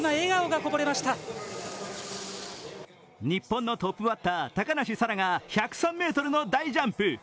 日本のトップバッター、高梨沙羅が１０３ｍの大ジャンプ。